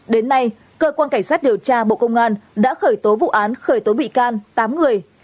đến nay cơ quan cảnh sát điều tra bộ công an đã khởi tố vụ án khởi tố bị can tám người